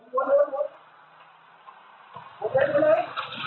รวมกันเลยหมดเย็นไปเลย